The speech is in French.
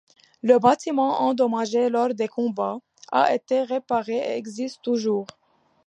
Le bâtiment, endommagé lors des combats, a été réparé et existe toujours.